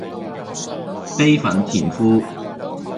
悲憤填膺